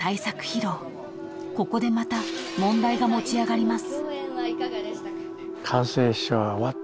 ［ここでまた問題が持ち上がります］